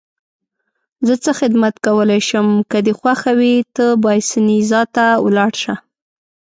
زه څه خدمت کولای شم؟ که دې خوښه وي ته باینسیزا ته ولاړ شه.